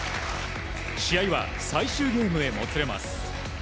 試合は最終ゲームへもつれます。